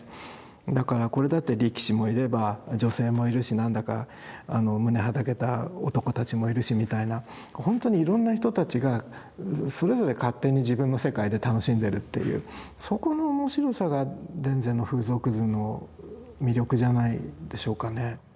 だからこれだって力士もいれば女性もいるし何だか胸はだけた男たちもいるしみたいな本当にいろんな人たちがそれぞれ勝手に自分の世界で楽しんでるっていうそこの面白さが田善の風俗図の魅力じゃないでしょうかね。